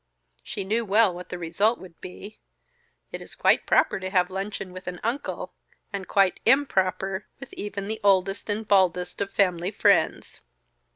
She knew well what the result would be. It is quite proper to have luncheon with an uncle; and quite improper with even the oldest and baldest of family friends.